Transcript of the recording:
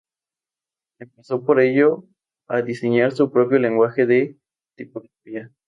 Empezó por ello a diseñar su propio lenguaje de tipografía.